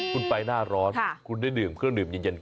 คุณไปหน้าร้อนคุณได้ดื่มเครื่องดื่มเย็น